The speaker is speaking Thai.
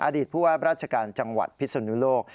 ผู้ว่าราชการจังหวัดพิศนุโลก